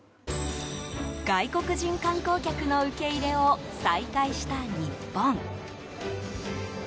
外国人観光客の受け入れを再開した日本。